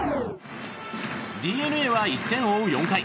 ＤｅＮＡは１点を追う４回。